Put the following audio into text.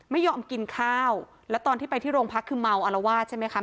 ไม่ยอมกินข้าวแล้วตอนที่ไปที่โรงพักคือเมาอารวาสใช่ไหมคะ